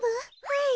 はい。